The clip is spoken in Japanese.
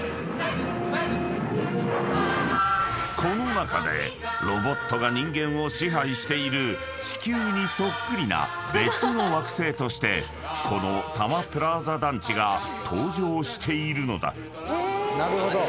［この中でロボットが人間を支配している地球にそっくりな別の惑星としてこのたまプラーザ団地が登場しているのだ］